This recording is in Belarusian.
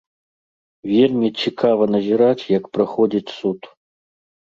Вельмі цікава назіраць, як праходзіць суд.